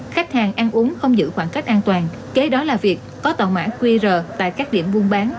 khách hàng ăn uống không giữ khoảng cách an toàn kế đó là việc có tàu mã qr tại các điểm buôn bán